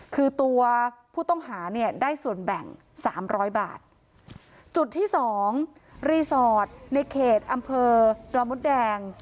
คือตัวผู้ต้องหาเนี่ยได้ส่วนแบ่งสามร้อยบาทจุดที่สองรีสอร์ทในเขตอำเภอดอมดแดง